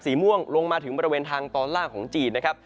ม่วงลงมาถึงบริเวณทางตอนล่างของจีนนะครับ